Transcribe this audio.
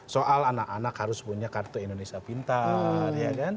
soal anak anak harus punya kartu indonesia pintar